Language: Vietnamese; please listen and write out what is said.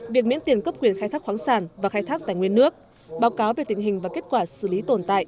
việc miễn tiền cấp quyền khai thác khoáng sản và khai thác tài nguyên nước báo cáo về tình hình và kết quả xử lý tồn tại